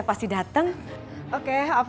apakah itu benda apa